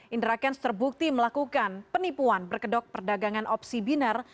indra kans terbukti melakukan penipuan berkedok perdagangan opsi biner